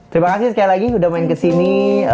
terima kasih sekali lagi udah main kesini